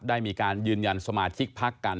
ได้มีการยืนยันสมาชิกพักกัน